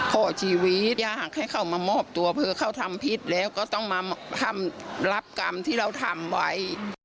ขอชีวิตอยากให้เขามามอบตัวเผื่อเขาทำผิดแล้วก็ต้องมาทำรับกรรมที่เราทำไว้